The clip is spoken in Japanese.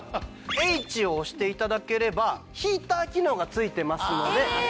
Ｈを押して頂ければヒーター機能がついてますので。